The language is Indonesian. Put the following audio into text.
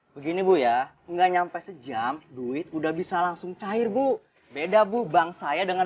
begini bu ya enggak nyampe sejam duit udah bisa langsung cair bu beda bu bangsa saya dengan